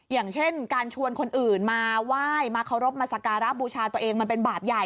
อย่างเช่นการชวนคนอื่นมาไหว้มาเคารพมาสการะบูชาตัวเองมันเป็นบาปใหญ่